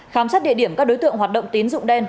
khám xét địa điểm các đối tượng hoạt động tín dụng đen